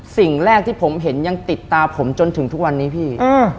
สิ่งแรกที่ผมเห็นยังติดตาผมจนถึงทุกวันนี้พี่